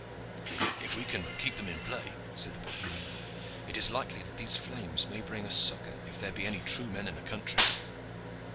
"If we can but keep them in play," said the Bohemian, "it is likely that these flames may bring us succor if there be any true men in the country."